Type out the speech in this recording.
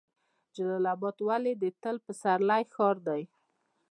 جلال اباد ولې د تل پسرلي ښار دی؟